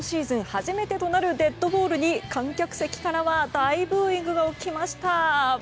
初めてとなるデッドボールに観客席からは大ブーイングが起きました。